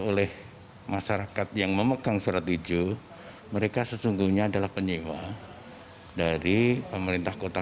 oleh masyarakat yang memegang surat ijo mereka sesungguhnya adalah penyewa dari pemerintah kota